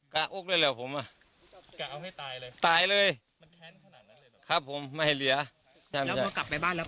กะอุ๊กเลยเหรอผมอ่ะกะเอาให้ตายเลยตายเลยครับผมไม่เหลียแล้วเขากลับไปบ้านแล้ว